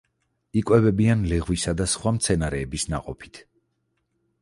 იკვებებიან ლეღვისა და სხვა მცენარეების ნაყოფით.